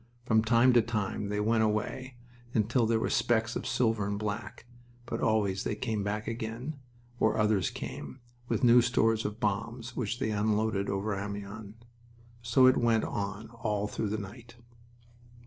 From time to time they went away until they were specks of silver and black; but always they came back again, or others came, with new stores of bombs which they unloaded over Amiens. So it went on all through the night.